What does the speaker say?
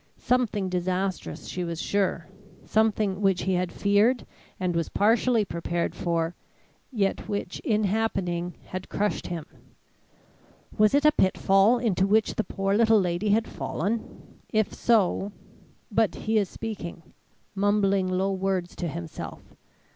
Something disastrous she was sure; something which he had feared and was partially prepared for, yet which in happening had crushed him. Was it a pitfall into which the poor little lady had fallen? If so But he is speaking mumbling low words to himself.